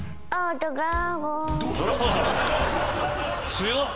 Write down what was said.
強っ！